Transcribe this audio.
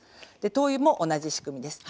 灯油も同じ仕組みです。